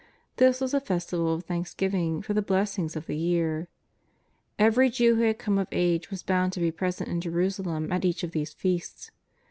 This was a festival of thanksgiving for the blessings of the year. Every Jew who had come of age was bound to be present in Jerusalem at each of these Feasts.